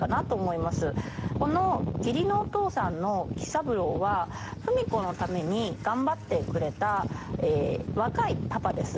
この義理のお父さんの喜三郎は芙美子のために頑張ってくれた若いパパです。